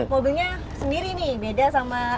mobilnya sendiri nih beda sama